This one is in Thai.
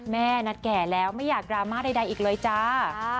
แม่นัทแก่แล้วไม่อยากดราม่าใดอีกเลยจ้า